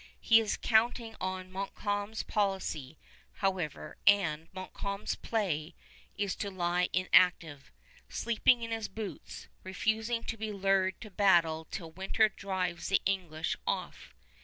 He is counting on Montcalm's policy, however, and Montcalm's play is to lie inactive, sleeping in his boots, refusing to be lured to battle till winter drives the English off.